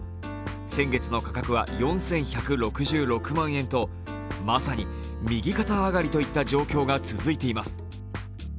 先月の価格は４１６６万円とまさに右肩上がりといった状況が続いています。